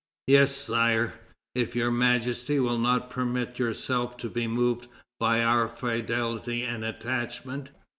"Yes, Sire, if Your Majesty will not permit yourself to be moved by our fidelity and attachment."